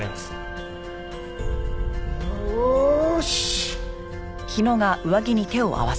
よーし。